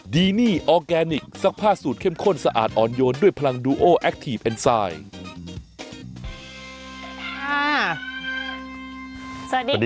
ดีนี่ออร์แกนิคซักผ้าสูตรเข้มข้นสะอาดอ่อนโยนด้วยพลังดูโอแอคทีฟเอ็นไซด์